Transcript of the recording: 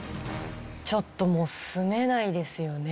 ちょっともう住めないですよね